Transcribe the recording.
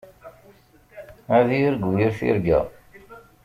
Ad yargu yir tirga.